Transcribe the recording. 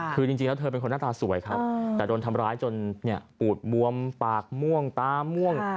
คือจริงแล้วเธอเป็นคนหน้าตาสวยครับแต่โดนทำร้ายจนปูดบวมปากม่วงตาม่วง